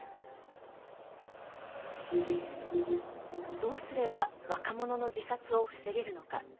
どうすれば若者の自殺を防げるのか。